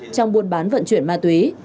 trong buôn bán vận chuyển ma túy